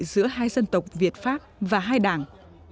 giữa hai dân tộc việt pháp và hai đảng